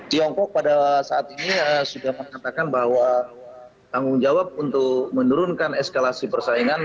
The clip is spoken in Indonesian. tiongkok pada saat ini sudah mengatakan bahwa tanggung jawab untuk menurunkan eskalasi persaingan